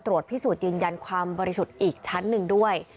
พิสูจน์ยืนยันความบริสุทธิ์อีกชั้นหนึ่งด้วย